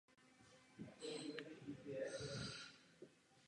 Ta může být uskutečněna na webových stránkách.